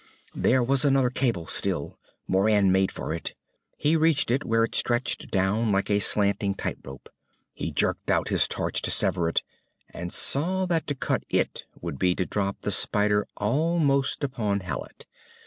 There was another cable still. Moran made for it. He reached it where it stretched down like a slanting tight rope. He jerked out his torch to sever it, and saw that to cut it would be to drop the spider almost upon Hallet.